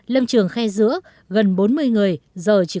lâm trường khe dứa gần bốn mươi người